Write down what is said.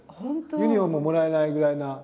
ユニフォームももらえないぐらいな。